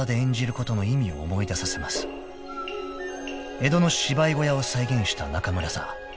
［江戸の芝居小屋を再現した中村座］